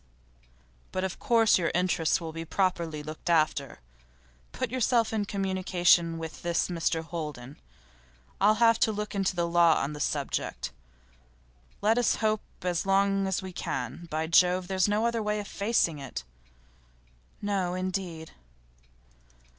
'But of course your interests will be properly looked after. Put yourself in communication with this Mr Holden. I'll have a look into the law on the subject. Let us hope as long as we can. By Jove! There's no other way of facing it.' 'No, indeed.